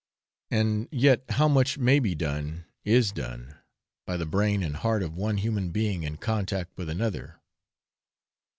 and yet how much may be done, is done, by the brain and heart of one human being in contact with another!